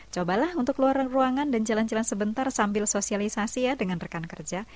cobalah untuk keluaran ruangan dan jalan jalan sebentar sambil sosialisasi ya dengan rekan kerja